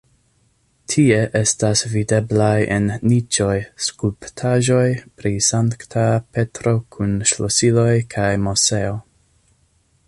Tie estas videblaj en niĉoj skulptaĵoj pri Sankta Petro kun ŝlosiloj kaj Moseo.